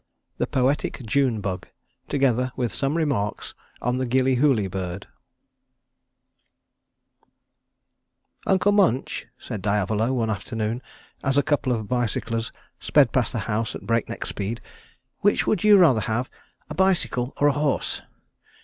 XIV THE POETIC JUNE BUG, TOGETHER WITH SOME REMARKS ON THE GILLYHOOLY BIRD "Uncle Munch," said Diavolo one afternoon as a couple of bicyclers sped past the house at breakneck speed, "which would you rather have, a bicycle or a horse?"